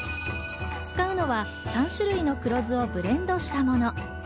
使うのは３種類の黒酢をブレンドしたもの。